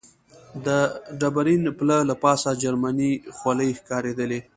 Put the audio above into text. د ډبرین پله له پاسه جرمنۍ خولۍ ښکارېدلې.